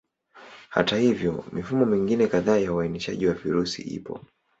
Hata hivyo, mifumo mingine kadhaa ya uainishaji wa virusi ipo.